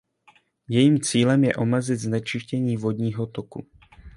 Jejím cílem je omezit znečištění vodního toku.